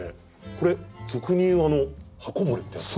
これ俗に言うあの刃こぼれってやつですか？